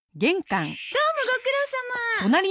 どうもご苦労さま。